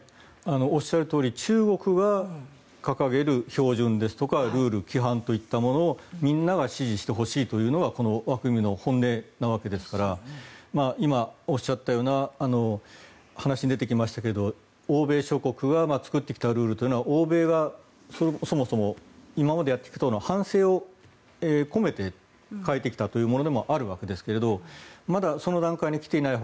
おっしゃるとおり中国が掲げる標準ですとかルール規範といったものを、みんなが支持してほしいというのがこの枠組みの本音なわけですから今、話に出てきましたけども欧米諸国が作ってきたルールは欧米がそもそも今までやってきたことの反省を込めて変えてきたというものもあるんですけどまだその段階に来ていない